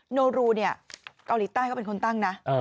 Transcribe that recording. โนรูเนี่ยเกาหลีใต้ก็เป็นคนตั้งนะ